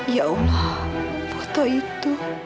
ya allah foto itu